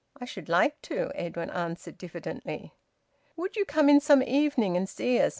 "I should like to," Edwin answered diffidently. "Would you come in some evening and see us?